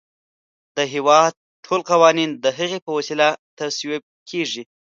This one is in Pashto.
د هیواد ټول قوانین د هغې په وسیله تصویب کیږي.